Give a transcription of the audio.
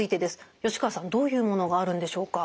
吉川さんどういうものがあるんでしょうか？